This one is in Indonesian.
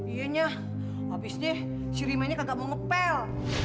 iyenya abisnya si rimanya kagak mau ngepel